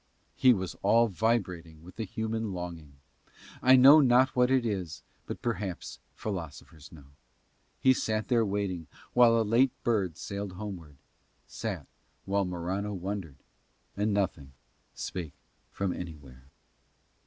He was all vibrating with the human longing: I know not what it is, but perhaps philosophers know. He sat there waiting while a late bird sailed homeward, sat while Morano wondered. And nothing spake from anywhere.